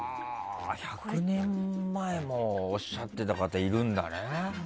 １００年前もおっしゃってた方いるんだね。